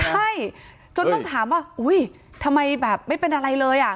ใช่จนต้องถามว่าอุ้ยทำไมแบบไม่เป็นอะไรเลยอ่ะ